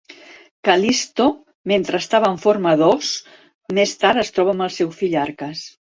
Cal·listo, mentre estava en forma d'os, més tard es troba amb el seu fill Arcas.